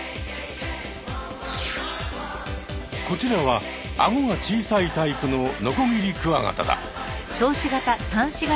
こちらはアゴが小さいタイプのノコギリクワガタだ。